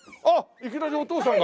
いきなりお父さんが。